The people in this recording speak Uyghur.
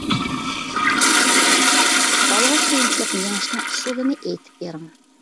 بالىغا قىيىنچىلىقنى يېڭىشنىڭ ئۇسۇلىنى ئېيتىپ بېرىڭ.